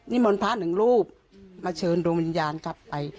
มนต์พระหนึ่งรูปมาเชิญดวงวิญญาณกลับไป